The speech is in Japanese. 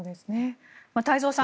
太蔵さん